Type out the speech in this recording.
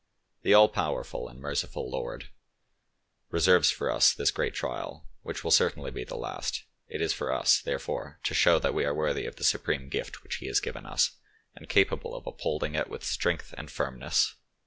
The all powerful and merciful Lord reserves for us this great trial, which will certainly be the last; it is for us, therefore, to show that we are worthy of the supreme gift which He has given us, and capable of upholding it with strength and firmness.